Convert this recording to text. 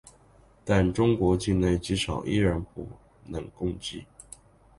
但中国境内机场依然不能攻击。